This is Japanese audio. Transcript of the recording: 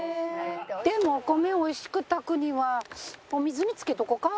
お米をおいしく炊くにはお水に浸けとこか。